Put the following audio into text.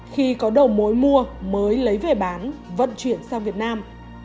khi có đầu mối mua mới lấy về bán vận chuyển sang việt nam